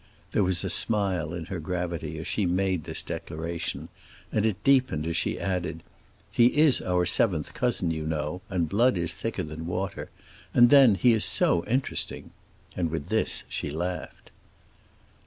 There was a smile in her gravity as she made this declaration, and it deepened as she added, "He is our seventh cousin, you know, and blood is thicker than water. And then, he is so interesting!" And with this she laughed.